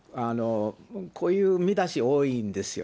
こういう見出し多いんですよね、